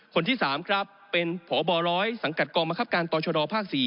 คนที่๓ครับเป็นพบร้อยสังกัดกองบังคับการต่อชดภาค๔